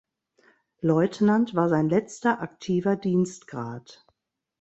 Leutnant war sein letzter aktiver Dienstgrad.